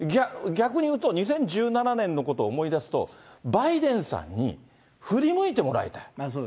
逆に言うと、２０１７年のことを思い出すと、バイデンさんに振り向いてもらいたい。